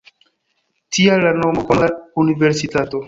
Tial la nomo 'Honora universitato'.